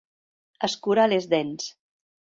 Escurar les dents.